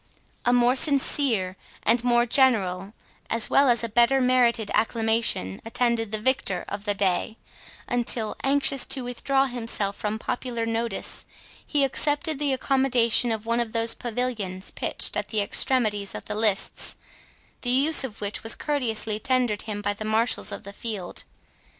A more sincere and more general, as well as a better merited acclamation, attended the victor of the day, until, anxious to withdraw himself from popular notice, he accepted the accommodation of one of those pavilions pitched at the extremities of the lists, the use of which was courteously tendered him by the marshals of the field.